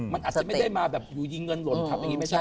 มันอาจจะไม่ได้มาอยู่ดีเงินลนครับ